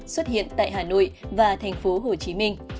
xuất hiện tại hà nội và thành phố hồ chí minh